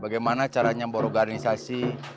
bagaimana caranya berorganisasi